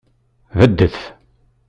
Beddet!